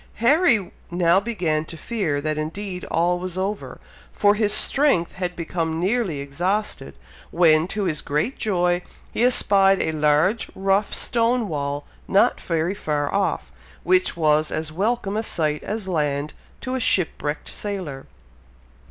Harry now began to fear that indeed all was over, for his strength had become nearly exhausted, when, to his great joy, he espied a large, rough stone wall, not very far off, which was as welcome a sight as land to a shipwrecked sailor.